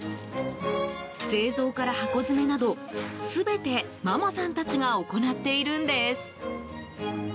製造から箱詰めなど全てママさんたちが行っているんです。